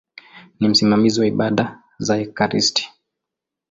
Ni msimamizi wa ibada za ekaristi.